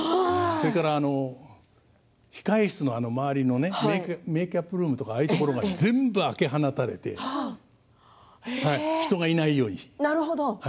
それから控え室の周りのメーキャップルームそういったところも全部開き放たれて人がいないように。